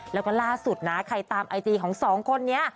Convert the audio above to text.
แล้วก็ล่าสุดนะใครตามไอจีของสองคนนี้